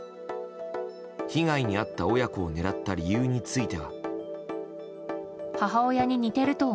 被害に遭った親子を狙った理由については。